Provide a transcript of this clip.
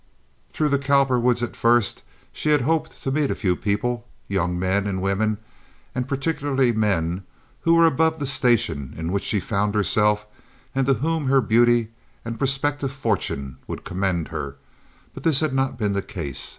Through the Cowperwoods at first she had hoped to meet a few people, young men and women—and particularly men—who were above the station in which she found herself, and to whom her beauty and prospective fortune would commend her; but this had not been the case.